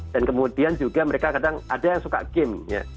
dan kemudian juga mereka kadang ada yang suka game